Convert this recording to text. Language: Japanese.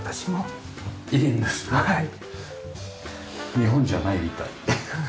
日本じゃないみたい。